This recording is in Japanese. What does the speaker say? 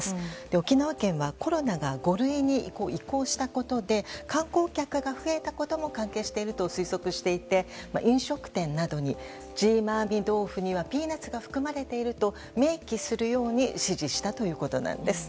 沖縄県はコロナが５類に移行したことで観光客が増えたことも関係していると推測していて飲食店などにジーマーミ豆腐にはピーナツが含まれていると明記するように指示したということです。